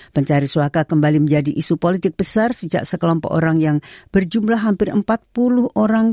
pencari suaka kembali menjadi isu politik besar sejak sekelompok orang yang berjumlah hampir empat puluh orang